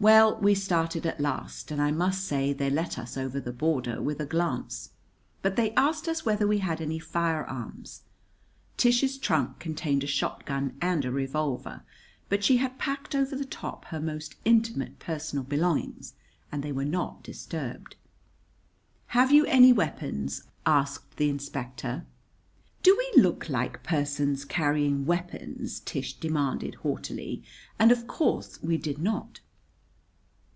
] Well, we started at last, and I must say they let us over the border with a glance; but they asked us whether we had any firearms. Tish's trunk contained a shotgun and a revolver; but she had packed over the top her most intimate personal belongings, and they were not disturbed. "Have you any weapons?" asked the inspector. "Do we look like persons carrying weapons?" Tish demanded haughtily. And of course we did not.